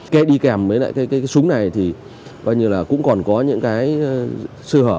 cái đi kèm với lại cái súng này thì gọi như là cũng còn có những cái sư hở